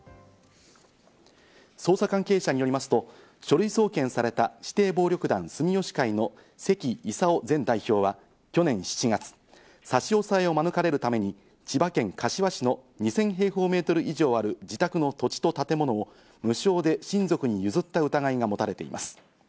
捜査関係者によりますと書類送検された指定暴力団住吉会の関功前代表は去年７月、差し押さえを免れるために千葉県柏市の２０００平方メートル以上ある自宅の土地と建物を無償で親族に譲った疑いが持たれています。